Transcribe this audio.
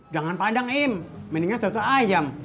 jangan padang im mendingan soto ayam